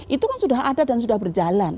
itu kan sudah ada dan sudah berjalan